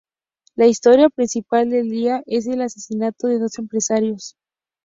La historia principal del día es el asesinato de dos empresarios.